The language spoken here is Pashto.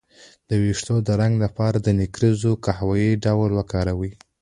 د ویښتو د رنګ لپاره د نکریزو او قهوې ګډول وکاروئ